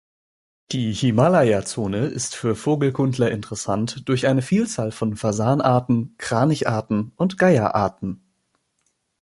Die Himalaya-Zone ist für Vogelkundler interessant durch eine Vielzahl von Fasan-Arten, Kranich-Arten und Geier-Arten.